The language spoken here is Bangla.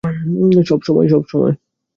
সব সময়, সব সময়?